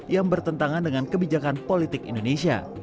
yang bertentangan dengan kebijakan politik indonesia